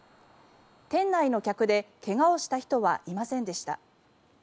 店内の客で怪我をした人はいませんでした。